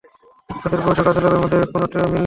তাদের বয়স ও কার্যকলাপের মধ্যে কোনো মিল নেই।